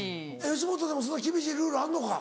吉本でもそんな厳しいルールあんのか。